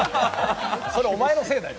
それ、お前のせいだよ。